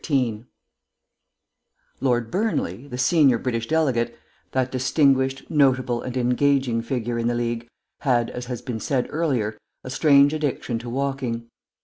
13 Lord Burnley, the senior British delegate, that distinguished, notable, and engaging figure in the League, had, as has been said earlier, a strange addiction to walking.